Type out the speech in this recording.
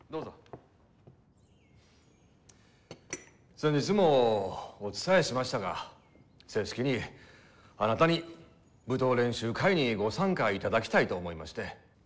先日もお伝えしましたが正式にあなたに舞踏練習会にご参加いただきたいと思いまして。